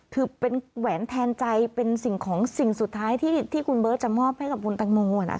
คือเป็นแหวนแทนใจเป็นสิ่งของสิ่งสุดท้ายที่คุณเบิร์ตจะมอบให้กับคุณแตงโม